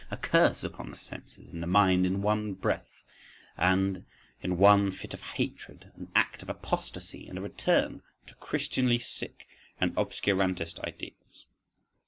a curse upon the senses and the mind in one breath and in one fit of hatred? an act of apostasy and a return to Christianly sick and obscurantist ideals?